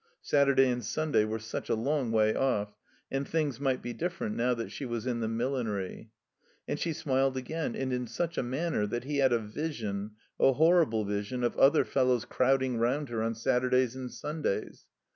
Saturday and Stmday were such a long way off, and things might be different now that she was in the millinery. And she smiled again, and in such a manner that he had a vision, a horrible vision, of other fellows crowding rotmd her on Sattirdays and Stmdays.